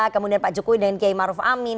kemudian pak jokowi dan kiai maruf amin